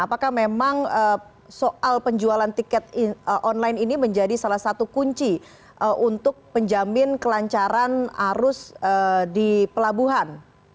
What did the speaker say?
apakah memang soal penjualan tiket online ini menjadi salah satu kunci untuk penjamin kelancaran arus di pelabuhan